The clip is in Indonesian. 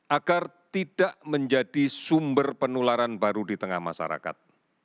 agar tidak menjadi sumber penularan baru di tengah masyarakat